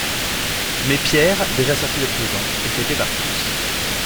Mais Pierre, déjà sorti de prison, est fêté par tous.